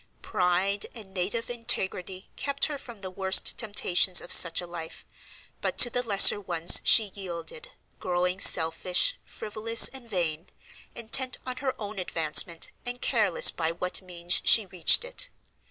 Pride and native integrity kept her from the worst temptations of such a life, but to the lesser ones she yielded, growing selfish, frivolous, and vain,—intent on her own advancement, and careless by what means she reached it.